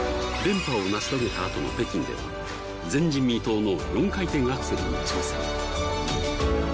連覇を成し遂げた後の北京では前人未到の４回転アクセルに挑戦